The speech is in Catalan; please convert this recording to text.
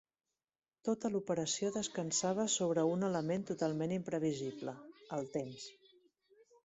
Tota l'operació descansava sobre un element totalment imprevisible: el temps.